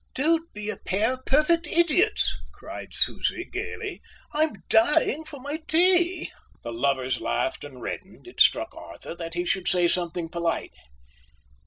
"Don't be a pair of perfect idiots," cried Susie gaily. "I'm dying for my tea." The lovers laughed and reddened. It struck Arthur that he should say something polite.